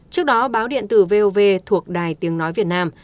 trước đó báo điện tử vov thuộc đài tiếng nói việt nam